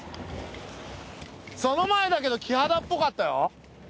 その前だけどキハダっぽかったよ